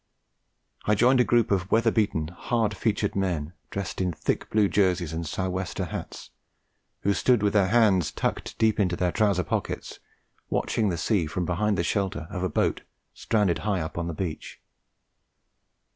I joined a group of weather beaten hard featured men dressed in thick blue jerseys and "sou wester" hats, who stood with their hands tucked deep into their trouser pockets, watching the sea from behind the shelter of a boat stranded high up on the beach.